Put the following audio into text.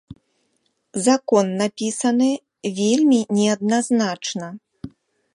Закон напісаны вельмі неадназначна.